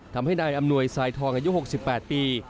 ทำให้นายอำนวยสายทองอายุ๖๘ปี